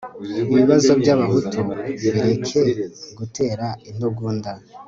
ibibazo by'abahutu bireke gutera intugunda